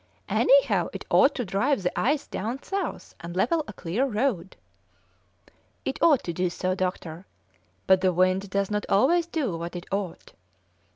"Anyhow it ought to drive the ice down south, and level a clear road." "It ought to do so, doctor, but the wind does not always do what it ought.